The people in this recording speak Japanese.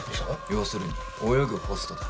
要するに泳ぐホストだ。